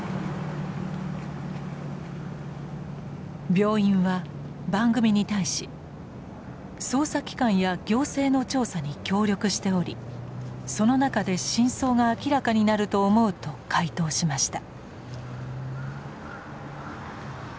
病院は番組に対し捜査機関や行政の調査に協力しておりその中で真相が明らかになると思うと回答しました。